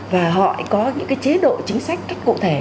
và họ có những chế độ chính sách cách cụ thể